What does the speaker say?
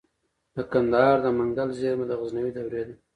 د کندهار د منگل زیرمه د غزنوي دورې ده